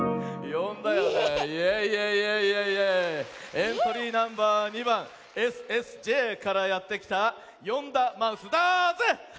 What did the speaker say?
エントリーナンバー２ばんＳＳＪからやってきたヨンダマウスだぜ！